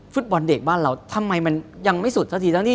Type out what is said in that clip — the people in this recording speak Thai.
ฟุตบอลเด็กบ้านเราทำไมมันยังไม่สุดสักทีทั้งนี้